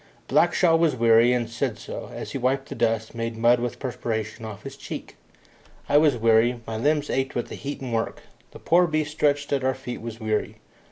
Blackshaw was weary, and said so, as he wiped the dust, made mud with perspiration, off his cheeks. I was weary my limbs ached with the heat and work. The poor beast stretched at our feet was weary.